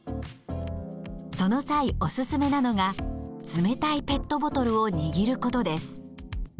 その際おすすめなのが冷たいペットボトルを握ることです。